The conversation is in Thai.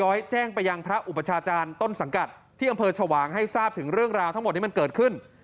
แจ้งไปยังพระอุปชาจารย์ต้นสังกัดที่อำเภอชวางให้ทราบถึงเรื่องราวทั้งหมดที่มันเกิดขึ้น